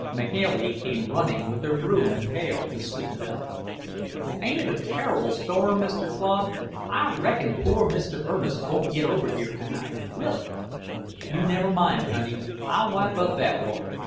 Mahailey came running with her broom and pail to sweep it up. "Ain't it a turrible storm, Mr. Claude? I reckon poor Mr. Ernest won't git over tonight, will he? You never mind, honey; I'll wipe up that water.